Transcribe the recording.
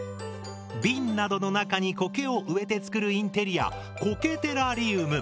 瓶などの中にコケを植えて作るインテリアコケテラリウム！